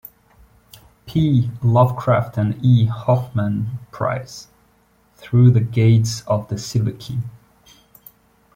P. Lovecraft and E. Hoffmann Price, "Through the Gates of the Silver Key".